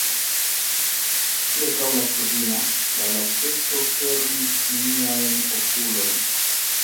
Ĉirkaŭ la kvina, la laceco fermis miajn okulojn.